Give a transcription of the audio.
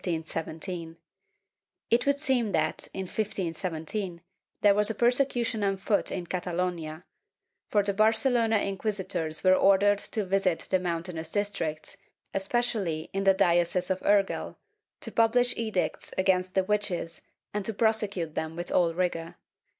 ^ It would seem that, in 1517, there was a persecution on foot in Catalonia, for the Barcelona inquisitors were ordered to visit the mountainous districts, especially in the diocese of Urgel, to publish edicts against the witches and to prosecute them with all rigor.